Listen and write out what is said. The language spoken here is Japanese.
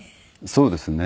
そうですね。